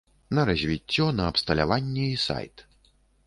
На развіццё, на абсталяванне і сайт.